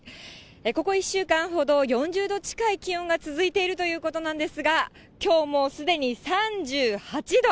ここ１週間ほど４０度近い気温が続いているということなんですが、きょうもすでに３８度。